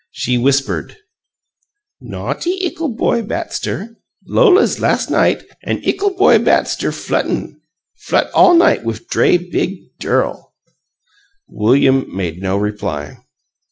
She whispered: "No'ty ickle boy Batster! Lola's last night, an' ickle boy Batster fluttin'! Flut all night wif dray bid dirl!" William made no reply.